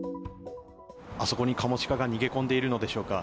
あそこにカモシカが逃げ込んでいるのでしょうか。